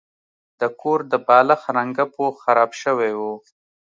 د کور د بالښت رنګه پوښ خراب شوی و.